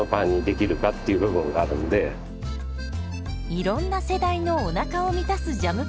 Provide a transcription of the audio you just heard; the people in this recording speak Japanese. いろんな世代のおなかを満たすジャムパン。